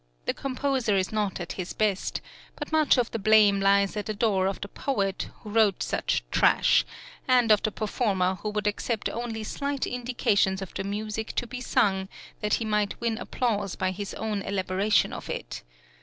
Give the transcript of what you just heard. The composer is not at his best; but much of the blame lies at the door of the poet who wrote such trash, and of the performer who would accept only slight indications of the music to be sung, that he might win applause by his own elaboration of it.